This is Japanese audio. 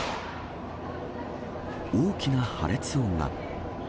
大きな破裂音が。